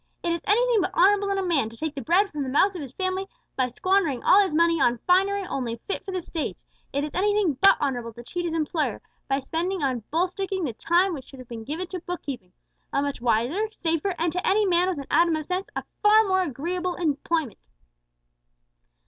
It is anything but honourable in a man to take the bread from the mouths of his family by squandering all his money on finery only fit for the stage; it is anything but honourable to cheat his employer by spending on bull sticking the time which should have been given to book keeping a much wiser, safer, and, to any man with an atom of sense, a far more agreeable employment!"